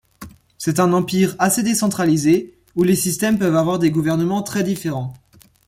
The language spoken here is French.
C'est un Empire assez décentralisé où les systèmes peuvent avoir des gouvernements très différents.